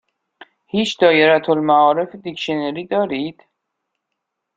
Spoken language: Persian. هیچ دائره المعارف دیکشنری دارید؟